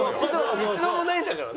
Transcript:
一度もないんだからね。